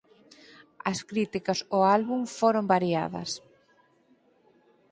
As críticas ao álbum foron variadas.